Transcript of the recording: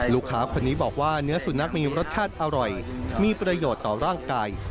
ลูกค้าคนนี้บอกว่าเนื้อสุนัขมีรสชาติอร่อยมีประโยชน์ต่อร่างกาย